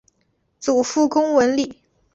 祖父龚文礼。